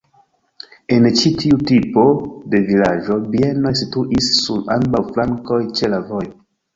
En ĉi tiu tipo de vilaĝo bienoj situis sur ambaŭ flankoj ĉe la vojo.